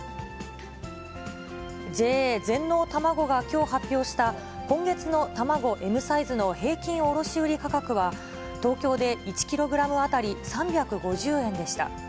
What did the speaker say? ＪＡ全農たまごがきょう発表した今月の卵Ｍサイズの平均卸売価格は、東京で１キログラム当たり３５０円でした。